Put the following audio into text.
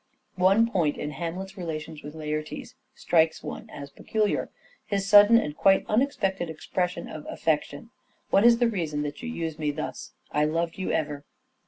One point in Hamlet's relations with Laertes strikes one as peculiar : his sudden and quite un expected expression of affection : 1 ' What is the reason that you use me thus ? I loved you ever."